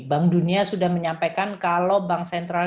bank dunia sudah menyampaikan kalau bank sentral